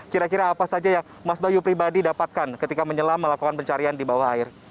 kira kira apa saja yang mas bayu pribadi dapatkan ketika menyelam melakukan pencarian di bawah air